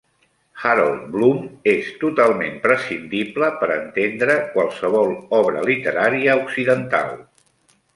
Harold Bloom és totalment prescindible per entendre qualsevol obra literària occidental